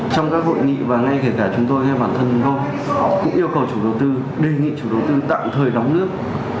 trong các hội nghị và ngay cả chúng tôi hay bản thân gồm cũng yêu cầu chủ đầu tư đề nghị chủ đầu tư tạm thời đóng nước